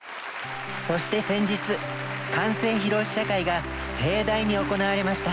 そして先日完成披露試写会が盛大に行われました。